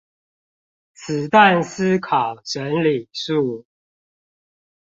子彈思考整理術